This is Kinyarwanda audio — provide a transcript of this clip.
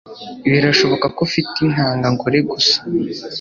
Birashoboka ko ufite intanga ngore gusa